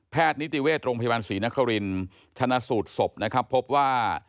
นิติเวชโรงพยาบาลศรีนครินชนะสูตรศพนะครับพบว่า